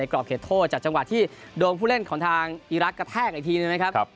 กรอบเขตโทษจากจังหวะที่โดนผู้เล่นของทางอีรักษ์กระแทกอีกทีหนึ่งนะครับ